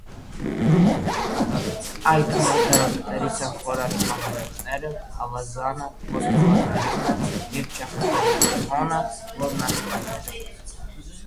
Այդ հարդարանքներից են խորանի պահարանները, ավազանը, խոստովանարանը, երգչախմբի երգեհոնը, որմնանկարները։